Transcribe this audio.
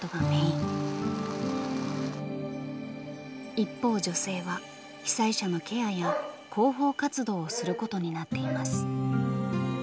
一方女性は被災者のケアや広報活動をすることになっています。